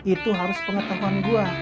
itu harus pengetahuan gue